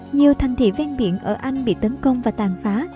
nhiều thành thị ven biển ở anh bị tấn công và tàn phá